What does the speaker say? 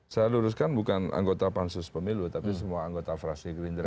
saya luruskan bukan anggota pansus pemilu tapi semua anggota fraksi gerindra